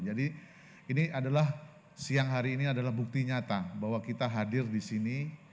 jadi ini adalah siang hari ini adalah bukti nyata bahwa kita hadir di sini